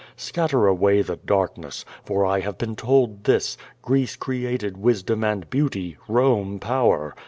Scatter away the darkness, for I have been told this, ^Greece created wisdom and beauty. Home power.'